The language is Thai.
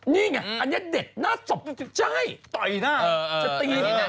นี่ไงอันนี้เด็ดน่าจบใช่ไหม